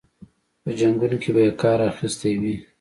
په جنګونو کې به یې کار اخیستی وي.